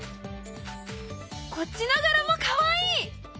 こっちの柄もかわいい！